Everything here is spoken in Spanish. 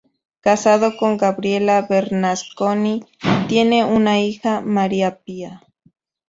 Casado con Gabriela Bernasconi, tiene una hija, María Pía.